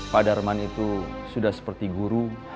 pak darman itu sudah seperti guru